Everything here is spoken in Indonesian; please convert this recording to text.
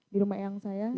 di rumah yang saya